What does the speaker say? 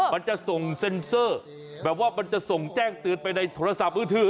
มันจะส่งเซ็นเซอร์แบบว่ามันจะส่งแจ้งเตือนไปในโทรศัพท์มือถือ